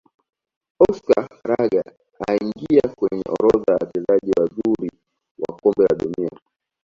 oscar rugger aliingia kwenye orodha ya Wachezaji wazuri wa kombe la dunia